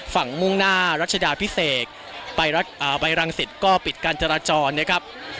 ฝั่งมุ่งหน้ารัชดาพิเศษอ่าบัยรังศิษฐ์ก็ปิดการจราจรนะครับ